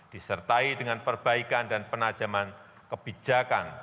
disertai dengan perbaikan dan penajaman kebijakan